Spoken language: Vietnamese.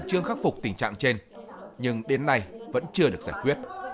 khẩn trương khắc phục tình trạng trên nhưng đến nay vẫn chưa được giải quyết